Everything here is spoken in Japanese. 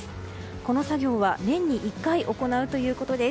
この作業は年に１回行うということです。